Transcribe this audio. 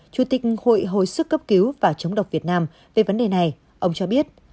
chủ tịch hội hồi sức cấp cứu và chống độc việt nam về vấn đề này ông cho biết